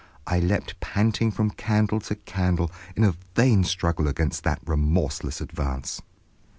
I leaped panting from candle to candle in a vain struggle against that remorseless advance.